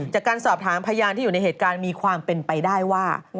จากการสอบถามพยานที่อยู่ในเหตุการณ์มีความเป็นไปได้ว่า